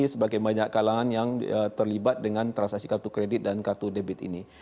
sebagai banyak kalangan yang terlibat dengan transaksi kartu kredit dan kartu debit ini